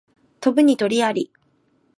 飛ぶに禽あり